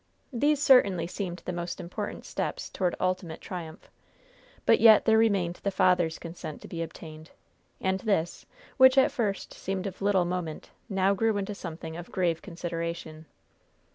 These certainly seemed the most important steps toward ultimate triumph. But yet there remained the father's consent to be obtained. And this, which at first seemed of little moment, now grew into something of grave consideration.